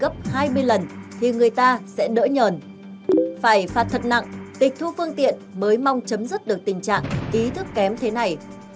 phải phạt thật nặng tịch thu phương tiện mới mong chấm dứt được tình trạng ý thức kém thế này